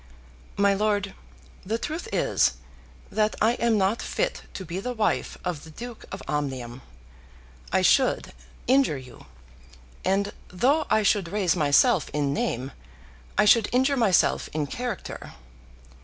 My lord, the truth is, that I am not fit to be the wife of the Duke of Omnium. I should injure you; and though I should raise myself in name, I should injure myself in character.